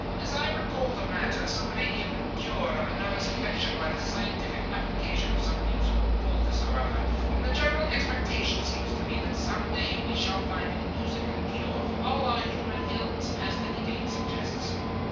"As I recall the matter, some lady had been cured of a nervous affection by a scientific application of some musical poultice or other, and the general expectation seems to be that some day we shall find in music a cure for all our human ills, as the Idiot suggests."